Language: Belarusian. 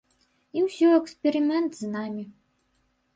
І ўсё эксперымент з намі.